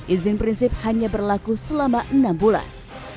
izin prinsip hanya berlaku selama enam bulan